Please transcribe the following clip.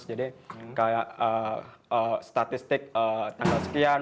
jadi statistik tanggal sepuluh